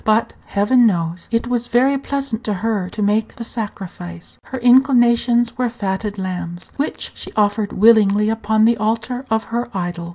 But, Heaven knows, it was very pleasant to her to make the sacrifice. Her inclinations were fatted lambs, which she offered willingly upon the altar of her idol.